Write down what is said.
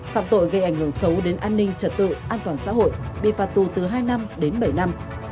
phạm tội gây ảnh hưởng xấu đến an ninh trật tự an toàn xã hội bị phạt tù từ hai năm đến bảy năm